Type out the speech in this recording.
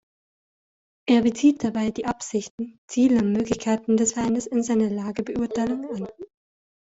Er bezieht dabei die Absichten, Ziele und Möglichkeiten des Feindes in seine Lagebeurteilung ein.